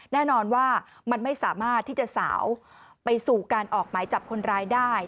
แน่นอนว่ามันไม่สามารถที่จะสาวไปสู่การออกหมายจับคนร้ายได้